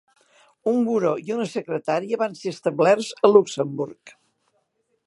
Un buró i una secretaria van ser establerts a Luxemburg.